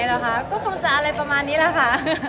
อยากได้ชุดแบบไหนหรอค่ะ